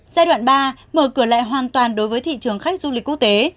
giai đoạn ba mở cửa lại hoàn toàn đối với thị trường khách du lịch quốc tế